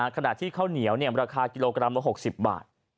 ขนาดที่เขาเหนียวเนี่ยราคากิโลกรัมละ๖๐บาท